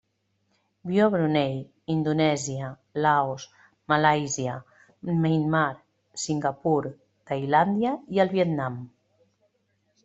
Viu a Brunei, Indonèsia, Laos, Malàisia, Myanmar, Singapur, Tailàndia i el Vietnam.